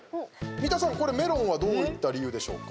三田さん、メロンはどういった理由でしょうか。